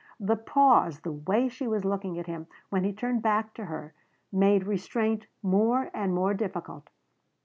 The pause, the way she was looking at him when he turned back to her, made restraint more and more difficult.